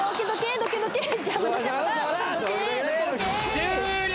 終了！